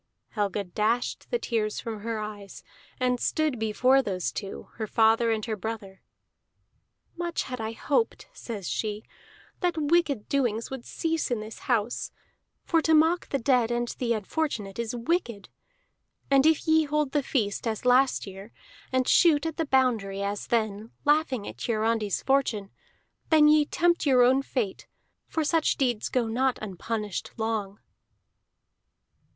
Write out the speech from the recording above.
Helga dashed the tears from her eyes, and stood before those two, her father and her brother. "Much had I hoped," says she, "that wicked doings would cease in this house for to mock the dead and the unfortunate is wicked. And if ye hold the feast as last year, and shoot at the boundary as then, laughing at Hiarandi's fortune, then ye tempt your own fate, for such deeds go not unpunished long."